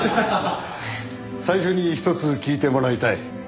最初にひとつ聞いてもらいたい。